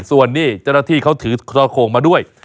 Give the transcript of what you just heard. ส่วนนี้เจ้าหน้าที่เขาถือครองโขงมาด้วย